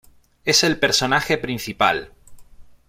Es el personaje principal.